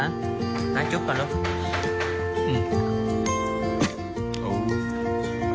เอ้าแล้วจุ๊บก่อนลูก